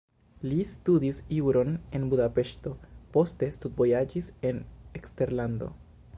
Li studis juron en Budapeŝto, poste studvojaĝis en eksterlando.